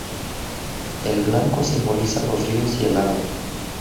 El blanco simboliza los ríos y el agua.